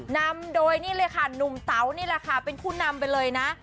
นำโดยนี่เลยค่ะหนุ่มเต๋านี่แหละค่ะเป็นผู้นำไปเลยนะ